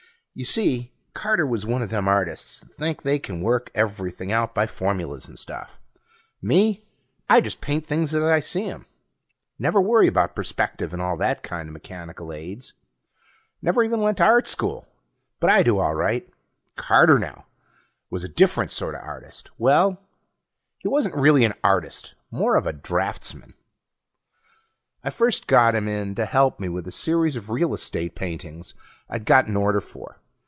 Y'see, Carter was one a them artists that think they can work everything out by formulas and stuff. Me, I just paint things as I see 'em. Never worry about perspective and all that kinda mechanical aids. Never even went to Art School. But I do all right. Carter, now, was a different sorta artist. Well, he wasn't really an artist more of a draftsman. I first got him in to help me with a series of real estate paintings I'd got an order for.